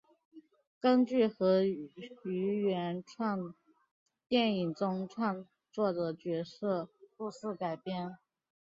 根据和于原创电影中创作的角色故事改编。